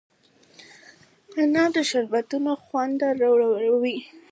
انار د شربتونو خوند لوړوي.